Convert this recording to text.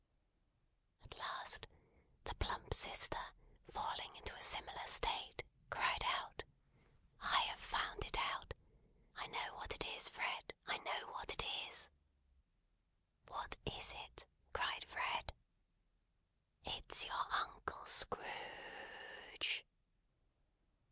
At last the plump sister, falling into a similar state, cried out: "I have found it out! I know what it is, Fred! I know what it is!" "What is it?" cried Fred. "It's your Uncle Scro o o o oge!"